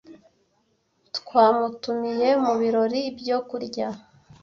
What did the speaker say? Twamutumiye mu birori byo kurya.